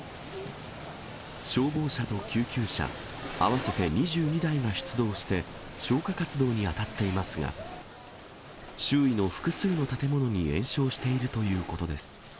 消防車と救急車合わせて２２台が出動して消火活動に当たっていますが、周囲の複数の建物に延焼しているということです。